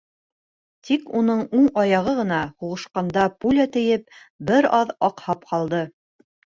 Тик уның уң аяғы ғына, һуғышҡанда пуля тейеп, бер аҙ аҡһап ҡалды.